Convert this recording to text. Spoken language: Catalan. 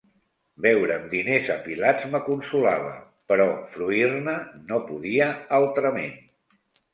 Veure'm diners apilats m’aconsolava; però fruir-ne no podia, altrament.